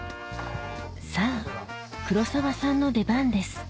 さぁ黒沢さんの出番です